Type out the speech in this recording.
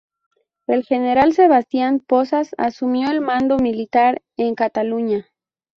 El general Sebastián Pozas asumió el mando militar en Cataluña.